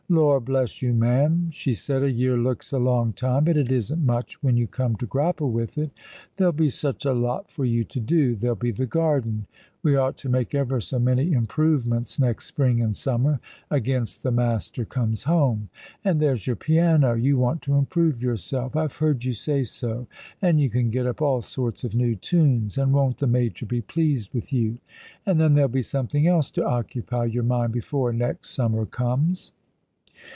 " Lor, bless you, ma'am," she said, "a year looks a long time, but it isn't much when you come to grapple with it. There'll be such a lot for you to do. There'll be the garden. We ought to make ever so many improvements next spring and summer, against the master comes home. And there's your piano. You want to improve yourself — I've heard you say so— and you can get up all sorts of new tunes, and won't the major be pleased with you ; and then — there'll be something else to occupy your mind before next summer comes.'